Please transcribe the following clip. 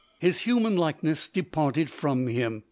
His human likeness departed from him.